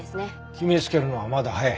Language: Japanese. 決めつけるのはまだ早い。